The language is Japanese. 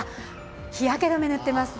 日焼け止めぬってます。